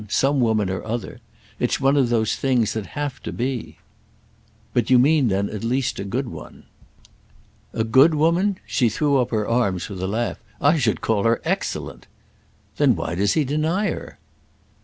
Some woman or other. It's one of the things that have to be." "But you mean then at least a good one." "A good woman?" She threw up her arms with a laugh. "I should call her excellent!" "Then why does he deny her?"